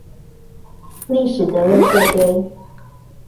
歷史的垃圾堆